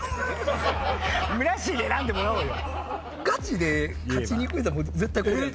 むらっしーに選んでもらおうよ。